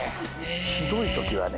ひどいときはね。